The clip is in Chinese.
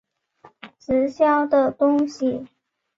直销的东西